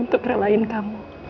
untuk relain kamu